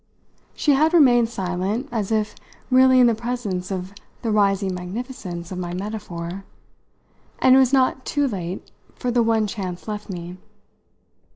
She had remained silent, as if really in the presence of the rising magnificence of my metaphor, and it was not too late for the one chance left me.